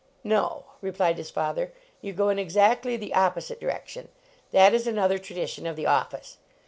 "No," replied his father, " you go in ex actly the opposite direction. That is another tradition of the office.